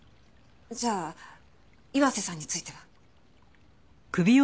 じゃあ岩瀬さんについては？